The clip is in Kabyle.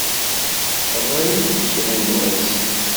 Ɣer-iyi-d kra n wass.